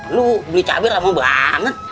lu beli cabai ramah banget